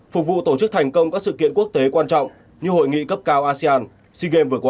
phục vụ tổ chức thành công các sự kiện quốc tế quan trọng như hội nghị cấp cao asean sea games vừa qua